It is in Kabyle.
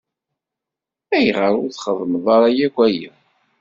Ayɣer ur txeddmeḍ ara akk aya?